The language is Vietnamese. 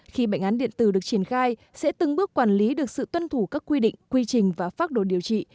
khi bệnh án điện tử được triển khai sẽ từng bước quản lý được sự tuân thủ các quy định quy trình và pháp đồ điều trị